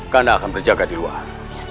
karena akan berjaga di luar